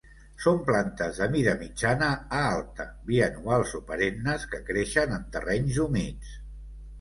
Són plantes de mida mitjana a alta, bianuals o perennes que creixen en terrenys humits.